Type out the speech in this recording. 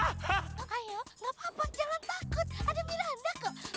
gapapa jangan takut ada miranda ke